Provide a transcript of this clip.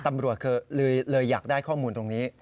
ตำรวจเลยอยากได้ข้อมูลตรงนี้